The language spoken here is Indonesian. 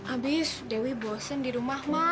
abis dewi bosen di rumah mah